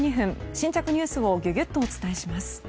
新着ニュースをギュギュッとお伝えします。